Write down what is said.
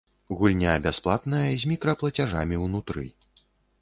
Гульня бясплатная з мікраплацяжамі унутры.